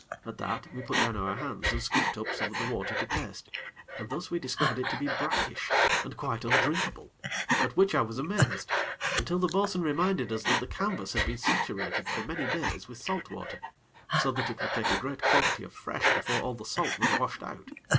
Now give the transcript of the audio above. At that, we put down our hands and scooped up some of the water to taste, and thus we discovered it to be brackish and quite undrinkable, at which I was amazed, until the bo'sun reminded us that the canvas had been saturated for many days with salt water, so that it would take a great quantity of fresh before all the salt was washed out.